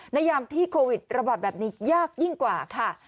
ยามที่โควิดระบาดแบบนี้ยากยิ่งกว่าค่ะ